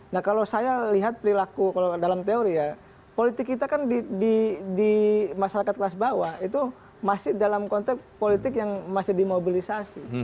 nah kalau saya lihat perilaku kalau dalam teori ya politik kita kan di masyarakat kelas bawah itu masih dalam konteks politik yang masih dimobilisasi